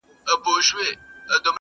اوس نسيم راوړي خبر د تورو ورځو!.